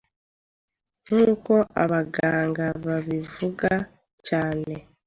nk'uko abaganga babivuga cyane